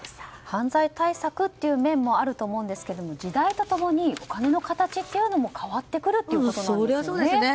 犯罪対策という面もあると思うんですけれども時代と共にお金の形というのも変わってくるということなんですね。